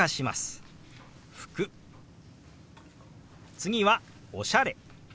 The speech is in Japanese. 次は「おしゃれ」。